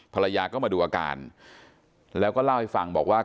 ภรรยาก็มาดูอาการแล้วก็เล่าให้ฟังบอกว่า